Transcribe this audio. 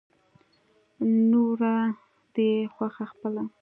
نوره دې خوښه خپله.